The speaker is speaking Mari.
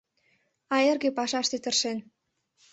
А эрге пашаште тыршен